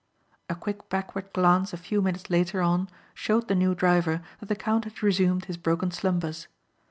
A quick backward glance a few minutes later on showed the new driver that the count had resumed his broken slumbers.